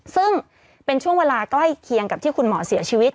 ซึ่งเป็นช่วงเวลาใกล้เคียงกับที่คุณหมอเสียชีวิต